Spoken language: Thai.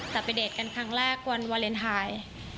แต่ไปเดทกันครั้งแรกวันวาเลนไทย